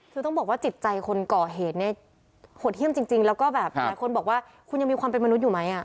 คือต้องบอกว่าจิตใจคนก่อเหตุเนี่ยโหดเยี่ยมจริงแล้วก็แบบหลายคนบอกว่าคุณยังมีความเป็นมนุษย์อยู่ไหม